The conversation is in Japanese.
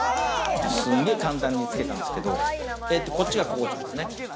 すんげえ簡単に付けたんすけど、こっちがココちゃんですね。